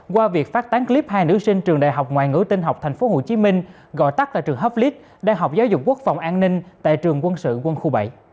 qua việc phát tán clip hai nữ sinh trường đại học ngoại ngữ tinh học tp hcm gọi tắt là trường hoplit đại học giáo dục quốc phòng an ninh tại trường quân sự quân khu bảy